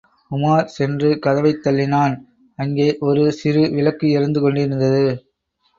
உமார் சென்று கதவைத் தள்ளினான், அங்கே ஒரு சிறு விளக்கு எரிந்து கொண்டிருந்தது.